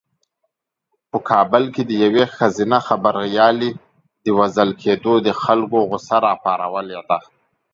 په کابل کې د یوې ښځینه خبریالې وژل کېدو د خلکو غوسه راپارولې ده.